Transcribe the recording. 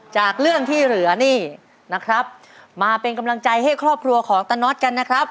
จากเรื่องที่เหลือนี่นะครับมาเป็นกำลังใจให้ครอบครัวของตะน็อตกันนะครับ